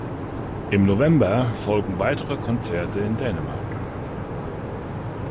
Im November folgen weitere Konzerte in Dänemark.